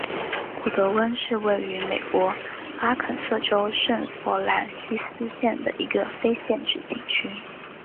古得温是位于美国阿肯色州圣弗朗西斯县的一个非建制地区。